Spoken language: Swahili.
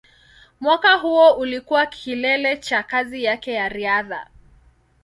Mwaka huo ulikuwa kilele cha kazi yake ya riadha.